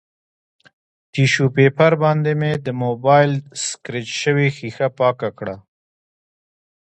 ټیشو پیپر باندې مې د مبایل سکریچ شوې ښیښه پاکه کړه